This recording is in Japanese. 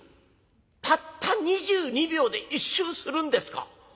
「たった２２秒で１周するんですか？